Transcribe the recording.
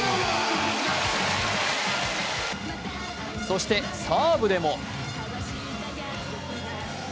そしてサーブでも。